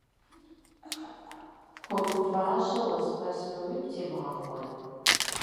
Пхуэмыфащэ уэспэсмэ, уигу тебгъэхуэн?